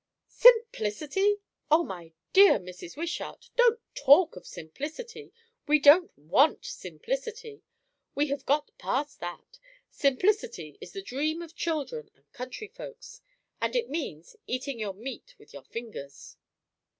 "Simplicity! O, my dear Mrs. Wishart! don't talk of simplicity. We don't want simplicity. We have got past that. Simplicity is the dream of children and country folks; and it means, eating your meat with your fingers."